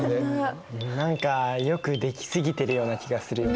何かよく出来過ぎてるような気がするよね。